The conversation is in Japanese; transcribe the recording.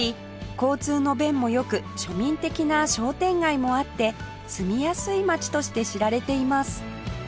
交通の便も良く庶民的な商店街もあって住みやすい街として知られています